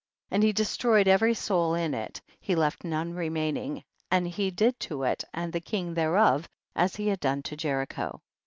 36. And he destroyed every soul in it, he left none remaining, and he did to it and the king thereof as he had done to Jericho.